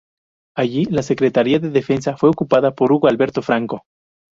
Allí, la secretaría de Defensa fue ocupada por Hugo Alberto Franco.